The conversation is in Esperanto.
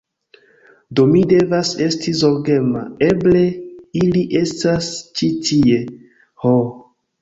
Do mi devas esti zorgema. Eble ili estas ĉi tie! Ho!